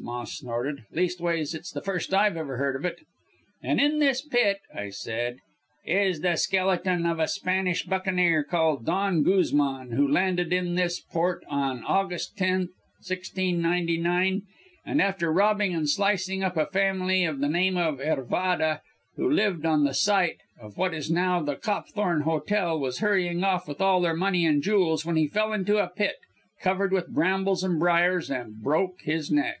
Moss snorted; 'leastways, it's the first I've ever heard of it.' "'And in this pit,' I said, 'is the skeleton of a Spanish buccaneer called Don Guzman, who landed in this port on August 10, 1699, and after robbing and slicing up a family of the name of Hervada, who lived on the site of what is now the Copthorne Hotel, was hurrying off with all their money and jewels, when he fell into a pit, covered with brambles and briars, and broke his neck.'